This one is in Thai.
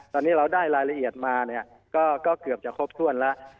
ตอนนี้เราได้รายละเอียดมาเนี่ยก็เกือบจะครบถ้วนแล้ว